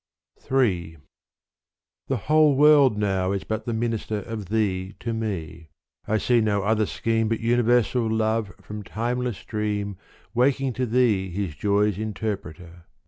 Ill The whole world now is but the minister Of thee to me : I see no other scheme But universal love from timeless dream Waking to thee his joy's interpreter.